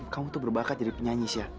kamu tuh berbakat jadi penyanyis ya